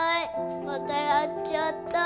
またやっちゃった。